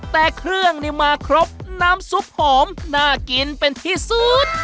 แต่เครื่องนี่มาครบน้ำซุปหอมน่ากินเป็นที่สุด